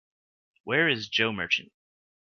Where Is Joe Merchant?